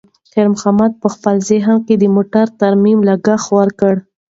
خیر محمد په خپل ذهن کې د موټر د ترمیم لګښت ورکاوه.